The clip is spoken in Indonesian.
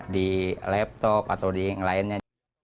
di laptop atau di lainnya